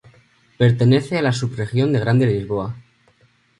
Pertenece a la subregión de Grande Lisboa.